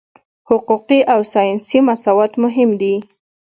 حقوقي او سیاسي مساوات مهم دي.